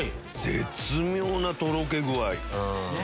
絶妙なとろけ具合。